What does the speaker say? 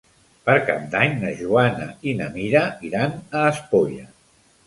Per Cap d'Any na Joana i na Mira iran a Espolla.